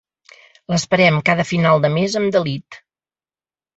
L'esperem cada final de mes amb delit.